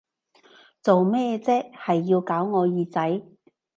做咩啫，係要搞我耳仔！